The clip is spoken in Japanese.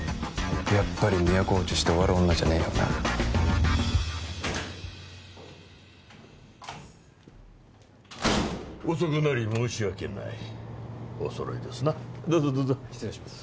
やっぱり都落ちして終わる女じゃねえよな遅くなり申し訳ないお揃いですなどうぞどうぞ失礼します